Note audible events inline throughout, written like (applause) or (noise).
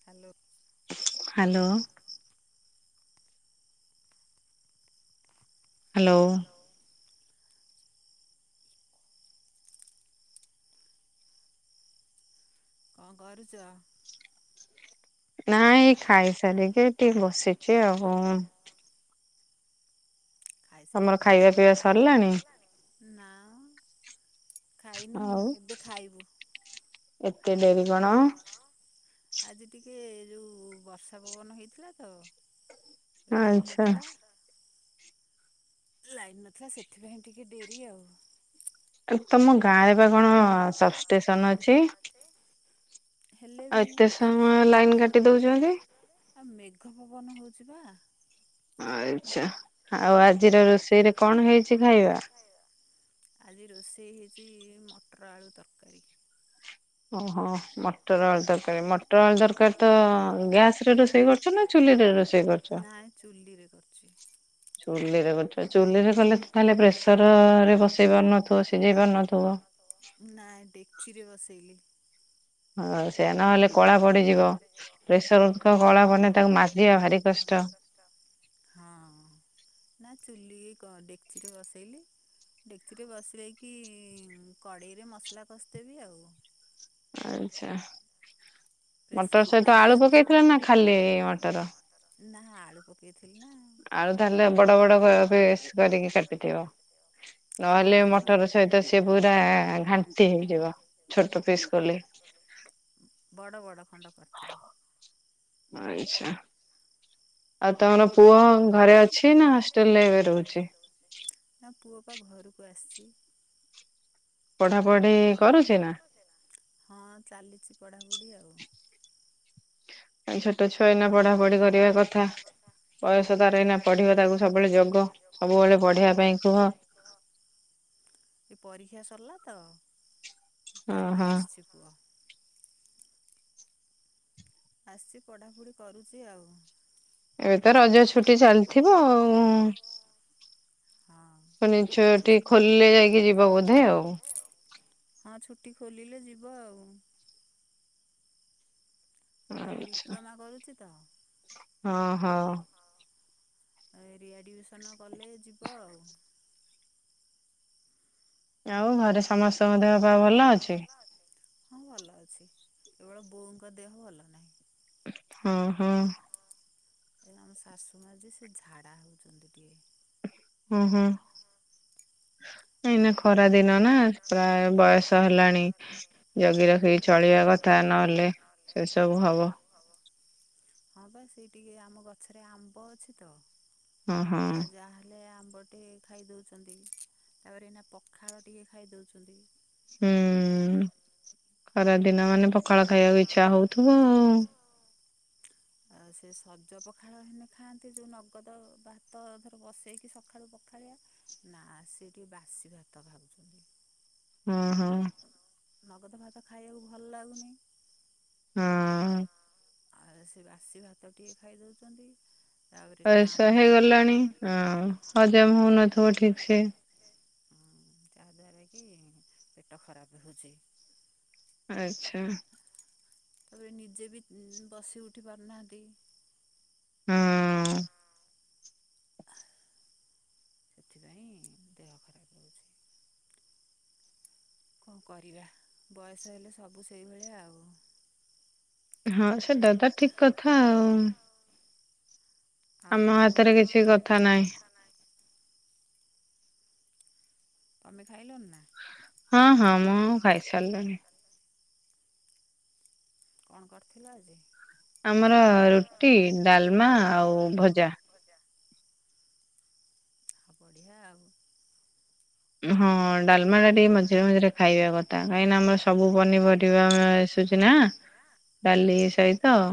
Hello hello- hello- କଣ କରୁଛ- ନାଇଁ ଖାଇସାରିକି ଟିକେ ବସିଛି ଆଉ- ଖାଇ ସାରିକି କଣ ଖାଇବା ପିଇବା ସରିଲାଣି ନା ଖାଇନୁ ଏବେ ଖାଇବୁ- ଆଜି ଟିକେ ଯେଉଁ ବର୍ଷା ପବନ ହେଇଥିଲା ତ- ଆଚ୍ଛା ଲାଇନ ନଥିଲା ସେଥିପାଇଁ ଟିକେ ଡେରି ଆଉ- ଜ (inaudible) ଆଉ ଏତେ ସମୟ ଲାଇନ କାଟି ଦଉଛ କି- ମେଘ ପବନ ହେଉଛି ବା- ଆଛା ଆଉ ଆ- ଆଜିର ରୋଷେଇରେ କଣ ହେଇଛି ଖାଇବା- ସେ ହେଛି ମଟର ଆଳୁ ତରକାରୀ- ଓହୋ ମଟର ତରକାରୀ ମ- ଟଲ ଦରକାର ତ ଗ୍ୟାସ ରେ ରୋଷେଇ କରୁଛ ନା ଚୁଲିରେ ରୋଷେଇ କରୁଛ ଚୁରେ ଚୁଲିରେ ଗଲେ ତାହଲେ ପ୍ରେସର ରେ ବସେଇ ପାରୁନଥିବ ସିଝେଇ ପାରୁନଥିବ। ହଁ। ସେ ନହେଲେ କଳା ପଡିଯିବ ପ୍ରେସର କଳା ବନେଇ ତାକୁ ମାଜିବା ଭାରି କଷ୍ଟ। ଡେକ୍ଚିରେ ବସେଇଲି ଡେକ୍ଚିରେ ବସେଇକି କଡ଼େଇରେ ମସଲା କଷିଦେବି ଆଉ। ଆଛା। ମଟର ସହିତ ଆଳୁ ପକେଇଥିଲା ନା ଖାଲି ମଟର? ନା ଆଳୁ ପକେଇ ଆଳୁ ତାହେଲେ ବଡ ବଡ ପିସ୍ କରିକି କାଟିଥିବ ନହେଲେ ମଟର ସହିତ ସିଏ ପୁରା ଘାଣ୍ଟି ହେଇଯିବ ଛୋଟ ପିସ୍ କଲେ ଖଣ୍ଡ କରିଥିଲି। ଆଛା ଆଉ ତମର ପୁଅ ଘରେ ଅଛି ନା ହଷ୍ଟେଲରେ ଏବେ ରହୁଛି। ପା ଘରକୁ ଆସିଛି ପଢା ପଢି କରୁଛି ନା ହଁ ଚାଲିଛି ପଢ଼ାପଢ଼ି ଆଉ ଛୋ- ଛୋଟ ଛୁଆ ହେଇନା ପଢା ପଢି କରିବା କଥା ବୟସ ତାର ଏଇନା ପଢିବା ତାକୁ ସବୁବେଳେ ଯୋଗ ସବୁବେଳେ ପଢିବା ପାଇଁ କୁହ କାଲି ଆସିଛି ପୁଅ ଆସିଛି ପଢାପଢି କରୁଛି ଆଉ ଏବେ ତ ରଜ ଛୁଟି ଚାଲିଥିବ ଆଉ ପୁଣି ଛୁଟି ଖୋଲିଲେ ଯାଇକି ଯିବ ବୋଧେ ଆଉ ଟି ଖୋଲିଲେ ଯିବ ଆଉ ସେ ଡିପ୍ଲୋମା କରୁଛି। ତ ହଁ ହଁ ଏ ରିିଆଡ଼ମିସନ କଲେ ଯିବ ଆଉ ଆଉ ଘରେ ସମସ୍ତଙ୍କ ଦେହ ପା ଭଲ ଅଛି। ହଁ ଭଲ ଅଛି କେବଳ ବୋଉଙ୍କ ଦେହ ଭଲ ନାହିଁ। ହୁଁ ହୁଁ ଏ ଆମ ଶାଶୁ ମା ଯେ ସେ ଝାଡ଼ା ହେଉଛନ୍ତି ଟିକେ ହୁଁ ହୁଁ ଏଇନା ଖରା ଦିନ ନା ପ୍ରାୟ ବୟସ ହେଲାଣି ଜଗି ରଖିକି ଚଳିବା କଥା ନହେଲେ ସେସବୁ ହବ ଟିକେ ଆମ୍ୱ ଗଛରେ ଆମ୍ବ ଅଛି ତ ଯାହାଲେ ଆମ ଗୋଟେ ଖାଇ ଦଉଛନ୍ତି। ତାପରେ ଏଇନା ପଖାଳ ଟିକେ ଖାଇ ଦଉଛନ୍ତି। ହୁଁ ଖରା ଦିନ ମାନେ ପଖାଳ ଖାଇବାକୁ ଇଚ୍ଛା ହଉଥିବ ଆଉ। ଆଉ ସେ ସଜ ପଖାଳ ହେନେ ଖାଆନ୍ତି ଯୋଉ ନଗଦ ଭାତ ଆଉ ଥରେ ବସେଇକି ସକାଳୁ ପଖାଳିଆ ନାଁ ସେ ଟିକେ ବାସି ଭାତ ଖାଉଛନ୍ତି। ହଁ ହଁ। ନଗଦ ଭାତ ଖାଇବାକୁ ଭଲ ଲାଗୁନି। ହଁ। ଆଉ ସେ ବାସି ଭାତ ଟିକେ ଖାଇଦଉଛନ୍ତି। ବୟସ ହେଇଗଲାଣି ହଁ ହଜମ ହଉନଥିବ ଠିକ ସେ। ତା ଦ୍ଵାରା କି ପେଟ ଖରାପ ହେଉଛି। ଆଚ୍ଛା। ତାପରେ ନିଜେ ବି ବସି ଉଠି ପାରୁନାହାନ୍ତି। ସେଥିପାଇଁ ଦେହ ଖରାପ ହଉଛି। କଣ କରିବା ବୟସ ହେଲେ ସବୁ ସେଇଭଳିଆ ଆଉ। ହଁ ସେଟାତ ଠିକ କଥା ଆଉ। ଆମ ହାତରେ କିଛି କଥା ନାହିଁ। ତମେ ଖାଇଲଣି ନାଁ। ହଁ ହଁ ମୁଁ ଖାଇସାରିଲିଣି। କଣ କରିଥିଲ ଆଜି। ଆମର ରୁଟି ଡାଲମା ଆଉ ଭଜା। ହଁ ବଢିଆ ଆଉ। ହଁ ଡାଲମା ଟିକେ ମଝିରେ ମଝିରେ ଖାଇବା କଥା କାହିଁକିନା ଆମର ସବୁ ପନିପରିବା ଆସୁଛି ନା ଡାଲି ସହିତ ଆଉ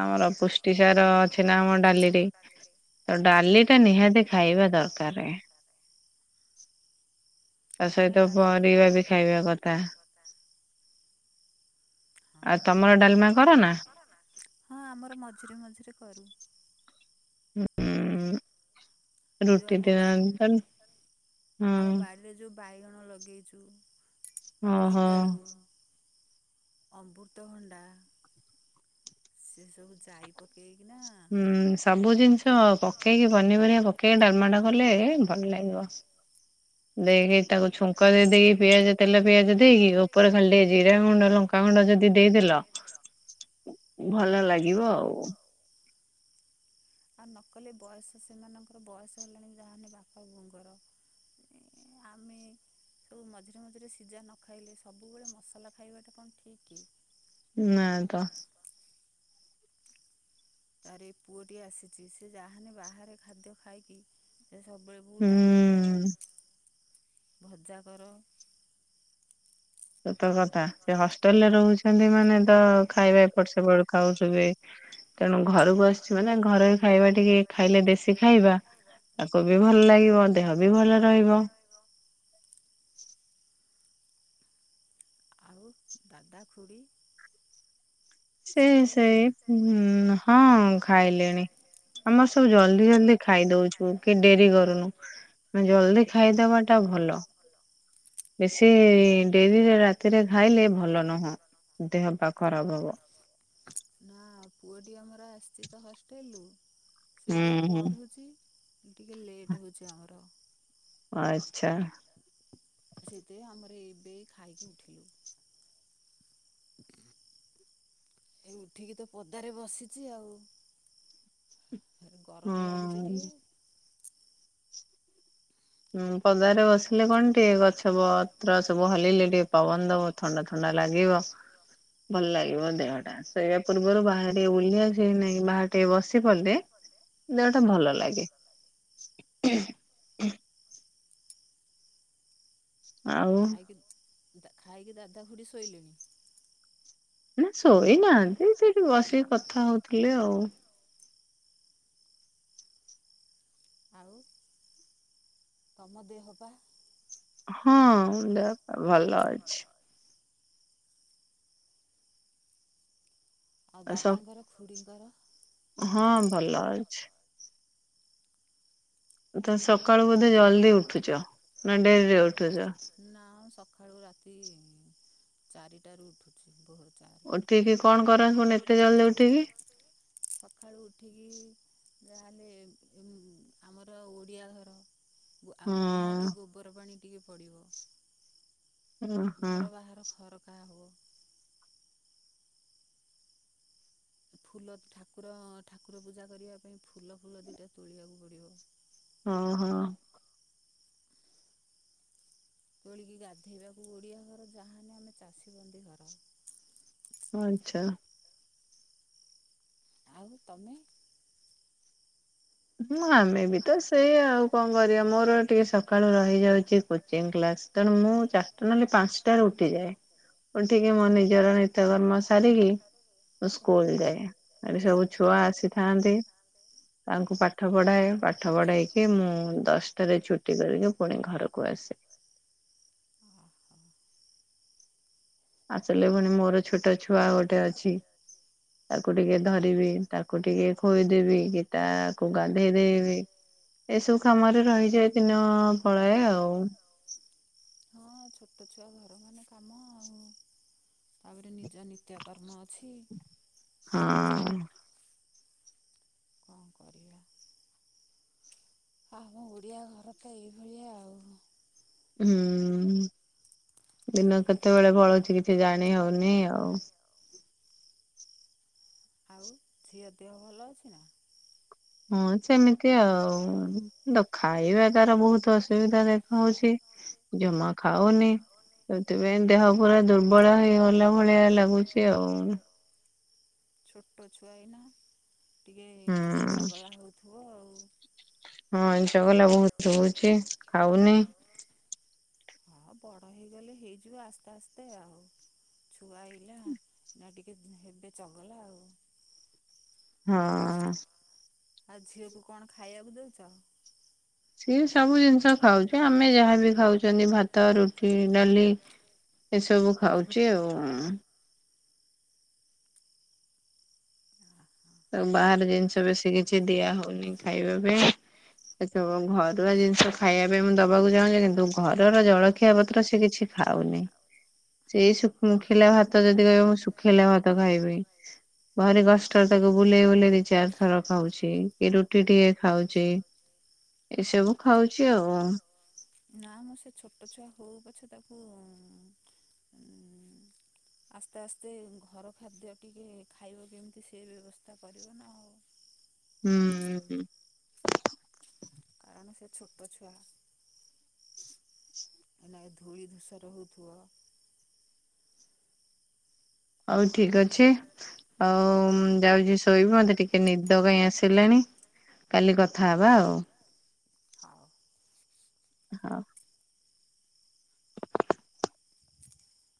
ଆମର ପୁଷ୍ଟି ସାର ଅଛି ନାଁ ଆମ ଡାଲିରେ ତ ଡାଲି ଟା ନିହାତି ଖାଇବା ଦରକାର। (inaudible) ନା ଡାଲି ତା ସହିତ ପରିବା ବି ଖାଇବା କଥା ହଁ ଆଉ ତମର ଡାଲମା କରନା ହଁ ଆମର ମଝିରେ ମଝିରେ କରୁ। ହୁଁ ହୁଁ। ଯୋଉ ଆମ ବା ଆମ ବାଡ଼ିରେ ଯୋଉ ବାଇଗଣ ଲଗେଇଛୁ ବୋଇତାଳୁ। ଅମୃତ ଭଣ୍ଡା। ସେ ସବୁ ଯାଇ ପ ହୁଁ ସବୁ ଜିନିଷ ପକେଇକି ପନିପରିବା ପକେଇକି ଡାଲମାଟା କଲେ ଭଲ ଲାଗିବ। ଦେଏଇଟାକୁ ଛୁ କୁକର ଦେଇ ଦେଇକି ପିଆଜ ତେଲ ପିଆଜ ଦେଇକି ଉପରେ ଖାଲି ଟିକେ ଜିରା ଗୁଣ୍ଡ ଲଙ୍କାଗୁଣ୍ଡ ଯଦି ଦେଇଦେଲ ଭଲ ଲାଗିବ ଆଉ। ଆଉ ନକଲେ ବୟସ ସେମାନଙ୍କର ବୟସ ହେଲାଣି ଯାହାହେଲେ ବାପା ବୋଉଙ୍କର ଆମେ ସବୁ ମଝିରେ ମଝିରେ ସିଝା ନ ଖାଇଲେ ସବୁବେଳେ ମସଲା ଖାଇବାଟା କଣ ଠିକ୍ କି? ନାଁ ତ। ତାର ଏ ପୁଅଟିଏ ଆସିଛି ସେ ଯାହେଲେ ବାହାରେ ଖାଦ୍ୟ ଖାଇକି ସେ ସବୁବେଳେ କହୁ ଡାଲି କର ଭଜା କର। ସତ କଥା ସେ ହଷ୍ଟେଲରେ ରହୁଛନ୍ତି ମାନେ ତ ଖାଇବା ଏପଟ ସେପଟ ଖାଉଥିବେ ତେଣୁ ଘରକୁ ଆସିଛି ମାନେ ଘରୋଇ ଖାଇବା ଟିକେ ଖାଇଲେ ବେ ସେ ଖାଇବା ତାକୁ ବି ଭଲ ଲାଗିବ ଦେହ ବି ଭଲ ରହିବ। ଆଉ ଦାଦା ଖୁଡ଼ି। ସେ ସେ ହୁଁ ହଁ ଖାଇଲେଣି ଆମର ସବୁ ଜଲ୍ଦି ଜଲଦି ଖାଇ ଦଉଛୁ କି ଡେରି କରୁନୁ ଜଲ୍ଦି ଖାଇଦବା ଟା ଭଲ ବେଶୀ ଡେରିରେ ରାତିରେ ଖାଇଲେ ଭଲ ନୁହଁ ଦେହ ପା ଖରାପ ହବ ନା ପୁଅଟି ଆମର ପରା ଆସିଛି ତ ହଷ୍ଟେଲୁ ସେ ଟିକେ ପଢ଼ୁଛି ଟିକେ ଲେଟ୍ ହଉଛି ଆମର ଆ ସେଥି ଆମର ଏଇ ବେ ଖାଇକି ଉଠିଲୁ ଏ ଉଠିକି ତ ପଦାରେ ବସିଛି ଆଉ ହୁଁ। ହୁଁ ପଦାରେ ବସିଲେ କଣ ଟିକେ ଗଛ ପତ୍ର ସବୁ ହଲିଲେ ଟିକେ ପବନବ ଥଣ୍ଡା ଥଣ୍ଡା ଲାଗିବ ଭଲ ଲାଗିବ ଦେହଟା ଶୋଇବା ପୂର୍ବରୁ ବାହାରେ ବୁଲି ଆସି ନାହିଁ ବାହାର ଟିକେ ବସି ପାଡିଲେ ଦେହଟା ଭଲ ଲାଗେ। ଆଉ ଦା ଖାଇକି ଦାଦା ଘୁଡ଼ି ଶୋଇଲେଣି? ନା ଶୋଇନାହାନ୍ତି ସେଠି ବସିକି କଥା ହଉଥିଲେ ଆଉ। ଆଉ ତମ ଦେହପା? ହଁ ଦେହ ଭଲ ଅଛି। ଆଉ ଦାଦାଙ୍କର ଖୁଡ଼ି କର ହଁ ଭଲ ଅଛି। ତ ସକାଳୁ ବୋଧେ ଜଲଦି ଉଠୁଛ ନା ଡେରିରେ ଉ ନା ସ ସକାଳୁ ରାତି ଚାରିଟାରୁ ଉଠୁଛି ଭୋରୁ ଉଠିକି କଣ କରନ୍ ଫୁଣି ଏତେ ଜଲଦି ଉଠିକି ସଖାଳୁ ଉଠିକି ଯାହାହେଲେ ଏ ଏମ ଆମର ଓଡ଼ିଆ ଘର ଆ ନିହାତି ଗୋବର ପାଣି ଟିକେ ପଡ଼ିବ। ହଁ ହଁ। କା ହଉ ଫୁଲ ଠାକୁର ଠାକୁର ପୂଜା କରିବା ପାଇଁ ଫୁଲ ଫୁଲ ଦିଟା ତୋଳିବାକୁ ପଡିବ। ହଁ ହଁ। ତୋଳିକି ଗାଧେଇବାକୁ ଓଡ଼ିଆ ଘର ଯାହାାନେ ଆମେ ଚାଷୀ ବନ୍ଦୀ ଘର। ଆଚ୍ଛା। ଆଉ ତମେ ମୁଁ ଆମେ ବି ତ ସେଇ ଆଉ କଣ କରିବା ମୋର ଟିକେ ସକାଳୁ ରହିଯାଉଛି କୋଚିଂ କ୍ଲାସ ତେଣୁ ମୁଁ ଚାରିଟା ନହେଲେ ପାଞ୍ଚଟାରେ ଉଠିଯାଏ ଉଠିକି ମୋ ନିଜର ନିତ୍ୟକର୍ମ ସାରିକି ମୁଁ ସ୍କୁଲ ଯାଏ ଆଠ ସବୁ ଛୁଆ ଆସିଥାନ୍ତି। ତାଙ୍କୁ ପାଠ ପଢାଏ ପାଠ ପଢେଇକି ମୁଁ ଦଶଟାରେ ଛୁଟି କରିକି ପୁଣି ଘରକୁ ଆସେ ଆସିଲେ ପୁଣି ମୋର ଛୋଟ ଛୁଆ ଗୋଟେ ଅଛି ତାକୁ ଟିକେ ଧରିବି ତାକୁ ଟିକେ ଖୋଇଦେବି କି ତାକୁ ଗାନ୍ଧେଇ ଦେବି ଏସବୁ କାମରେ ରହିଯାଏ ଦିନ ଫଳାଏ ଆଉ ହଁ ଛୋଟ ଛୁଆ ଘର ମାନେ କାମ ଆଉ ତାପରେ ନିଜ ନିତ୍ୟକର୍ମ ଅଛି। ହଁ। କଣ କରିବା? ଆମ ଓଡିଆ ଘର ତ ଏଇଭଳିଆ ଆଉ। ହୁଁ, ଦିନ କେତେବେଳେ ପଳଉଚି, କିଛି ଜାଣି ହଉନି, ଆଉ। ଆଉ ଝିଅ ଦେହ ଭଲ ଅଛି, ନା? ହଁ, ସେମିତି ଆଉ ତ ଖାଇବା ତାର ବହୁତ ଅସୁବିଧା ଦେଖାଉଛି, ଜମା ଖାଉନି, ସେଥିପାଇଁ ଦେହ ପୁରା ଦୁର୍ବଳ ହେଇଗଲା ଭଳିଆ ଲାଗୁଛି, ଆଉ। ଛୋଟ ଛୁଆ ଏଇନା ଟିକେ ଚଗଲା ହଉଥିବ, ଆଉ। ହଁ, ଚଗଲା ବହୁତ ହଉଛି, ଖାଉନି। ହଁ, ବଡ଼ ହେଇଗଲେ ହେଇଯିବ, ଆସ୍ତେ, ଆସ୍ତେ ଆଉ ଛୁଆ ହେଇଲା ନା ଟିକେ ହେବେ ଚଗଲା ଆଉ। ହଁ। ଆଉ ଝିଅକୁ କଣ ଖାଇବାକୁ ଦଉଛ? ସିଏ ସବୁ ଜିନିଷ ଖାଉଛି ଆମେ ଯାହାବି ଖାଉଛନ୍ତି, ଭାତ, ରୁଟି, ଡାଲି ଏସବୁ ଖାଉଛି, ଆଉ। ତାକୁ ବାହାର ଜିନିଷ ବେଶୀ କିଛି ଦିଆ ହଉନି, ଖାଇବା ପାଇଁ ସେ ତ ଘରୁଆ ଜିନିଷ ଖାଇବା ପାଇଁ ମୁଁ ଦବାକୁ ଚାହୁଁଛି, କିନ୍ତୁ ଘରର ଜଳଖିଆ ପତ୍ର ସେ କିଛି ଖାଉନି, ସେଇ ସୁଖିଲା ଭାତ ଯଦି କହିବ, ମୁଁ ଶୁଖିଲା ଭାତ ଖାଇବି, ଭାରି କଷ୍ଟ। ତାକୁ ବୁଲେଇ ବୁଲେଇ ଦି ଚା ଥର ଖାଉଛି, କି ରୁଟି ଟିକେ ଖାଉଛି, ଏସବୁ ଖାଉଛି, ଆଉ। ନା, ମ ସେ ଛୋଟ ଛୁଆ ହଉ ପଛେ ତାକୁ ଉଁ ଆସ୍ତେ, ଆସ୍ତେ ଘର ଖାଦ୍ୟ ଟିକେ ଖାଇବ, କେମିତି ସେ ବ୍ୟବସ୍ଥା କରିବ, ନା ଆଉ। ହୁଁ ହୁଁ। କାରଣ ସେ, ଛୋଟ ଛୁଆ। ଏଇନା ଧୂଳି, ଧୂସର ହଉ ଥିବ। ହଉ ଠିକ ଅଛି, ଆଉ ମୁଁ ଯାଉଛି, ଶୋଇବି, ମୋତେ ଟିକେ ନିଦ କାଇଁ ଆସିଲାଣି, କାଲି କଥା ହେବା ଆଉ। ହଉ। ହ।